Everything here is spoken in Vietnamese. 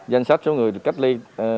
danh sách số người cách ly